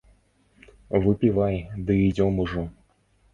Выпівай ды ідзём ужо.